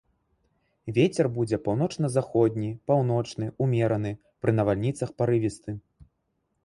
Вецер будзе паўночна-заходні, паўночны, умераны, пры навальніцах парывісты.